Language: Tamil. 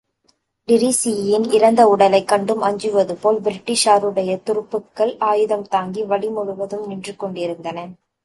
டிரீஸியின் இறந்த உடலைக் கண்டும் அஞ்சுவது போல், பிரிட்டிஷாருடைய துருப்புக்கள் ஆயுதம்தாங்கி வழிமுழுவதும் நின்று கொண்டிருந்தன.